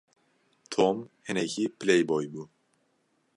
Tom hinekî playboy bû.